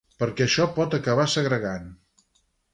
Perquè això pot acabar segregant.